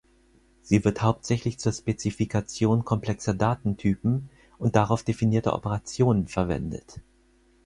Sie wird hauptsächlich zur Spezifikation komplexer Datentypen und darauf definierter Operationen verwendet.